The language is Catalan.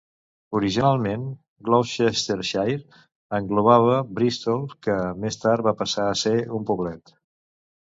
Originalment, Gloucestershire englobava Bristol, que més tard va passar a ser un poblet.